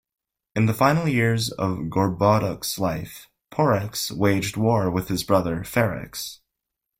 In the final years of Gorboduc's life, Porrex waged war with his brother, Ferrex.